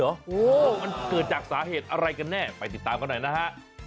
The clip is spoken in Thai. โอ้โหมันเกิดจากสาเหตุอะไรกันแน่ไปติดตามกันหน่อยนะฮะ